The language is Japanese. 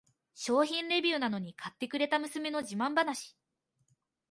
商品レビューなのに買ってくれた娘の自慢話